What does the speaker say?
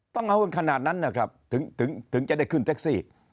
ต้องเอากันขนาดนั้นนะครับถึงจะได้ขึ้นแท็กซี่